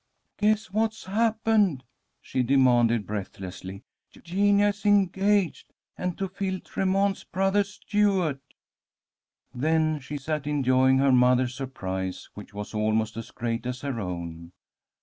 "Guess what's happened!" she demanded, breathlessly. "Eugenia is engaged! And to Phil Tremont's brother Stuart!" Then she sat enjoying her mother's surprise, which was almost as great as her own.